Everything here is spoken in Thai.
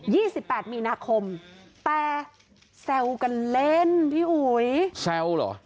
ี่สิบแปดมีนาคมแต่แซวกันเล่นพี่อุ๋ยแซวเหรอ